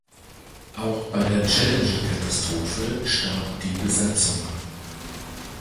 Auch bei der Challenger-Katastrophe starb die Besatzung.